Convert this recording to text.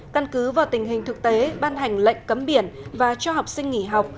căn cứ vào tình hình thực tế ban hành lệnh cấm biển và cho học sinh nghỉ học